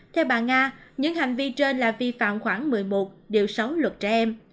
theo bà nga những hành vi trên là vi phạm khoảng một mươi một điều sáu luật trẻ em